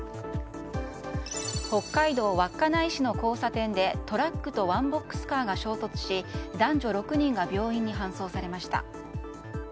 北海道稚内市の交差点でトラックとワンボックスカーが衝突し男女６人が病院に搬送されました。